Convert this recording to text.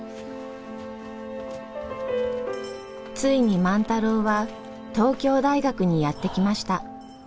ついに万太郎は東京大学にやって来ました。